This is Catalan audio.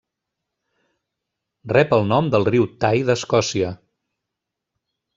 Rep el nom del riu Tay d'Escòcia.